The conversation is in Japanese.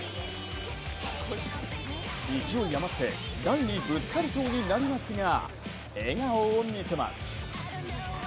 勢い余って台にぶつかりそうになりますが、笑顔を見せます。